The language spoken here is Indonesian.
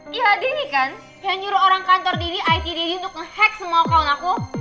ya daddy kan yang nyuruh orang kantor daddy it daddy untuk nge hack semua kawan aku